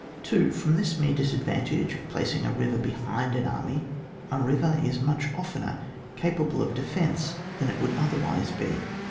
2. From this mere disadvantage of placing a river behind an army, a river is much oftener capable of defence than it would otherwise be.